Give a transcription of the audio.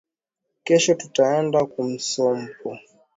Kesho taenda kumusompo